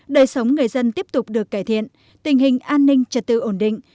đời sống người dân tiếp tục được cải thiện tình hình an ninh trật tự ổn định